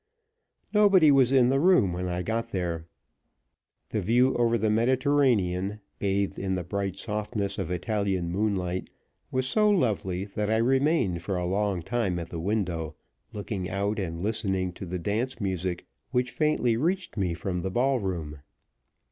Nobody was in the room when I got there. The view over the Mediterranean, bathed in the bright softness of Italian moonlight, was so lovely that I remained for a long time at the window, looking out, and listening to the dance music which faintly reached me from the ballroom.